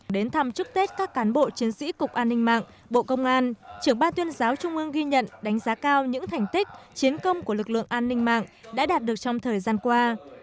đến thăm chúc tết các cán bộ chiến sĩ bộ tư lệnh tác chiến không gian mạng bộ công an trưởng ban tuyên giáo trung ương ghi nhận đánh giá cao những thành tích chiến công của lực lượng an ninh mạng đã đạt được trong thời gian qua